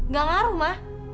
gak ngaruh ma